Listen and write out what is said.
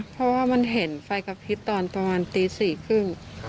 เพราะว่ามันเห็นไฟกระพริบตอนประมาณตี๔๓๐